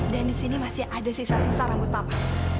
dan di sini masih ada sisa sisa rambut papa